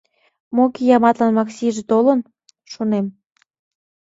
«Мо кияматлан Максиже толын? — шонем.